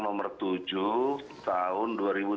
nomor tujuh tahun